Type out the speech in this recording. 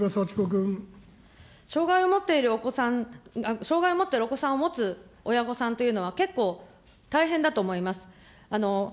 障害を持っているお子さん、障害を持っているお子さんを持つ親御さんというのは、結構、大変だと思います。